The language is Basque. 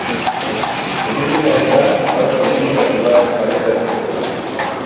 Hori dela eta, gaur komunikatu bat kaleratuko du.